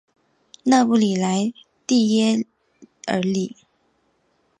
勒布莱蒂耶尔里。